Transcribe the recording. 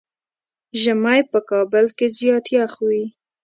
ژمی په کابل کې زيات يخ وي.